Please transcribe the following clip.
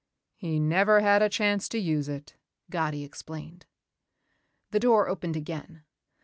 "He never had a chance to use it," Gatti explained. The door opened again.